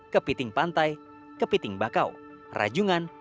kepiting pantai kepiting bakau rajungan